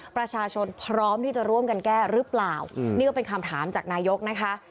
ประชาชนพร้อมที่จะร่วมกันแก้หรือเปล่านี่ก็เป็นคำถามจากนายกนะคะ